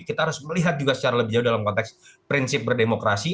kita harus melihat juga secara lebih jauh dalam konteks prinsip berdemokrasi